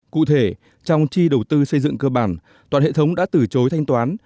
cụ thể trong chi đầu tư xây dựng cơ bản toàn hệ thống đã từ chối thanh toán